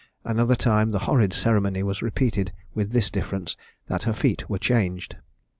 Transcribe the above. Another time the horrid ceremony was repeated, with this difference, that her feet were changed.